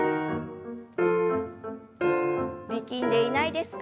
力んでいないですか？